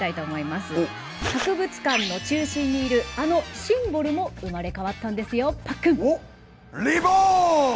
博物館の中心にいるあのシンボルも生まれ変わったんですよパックン。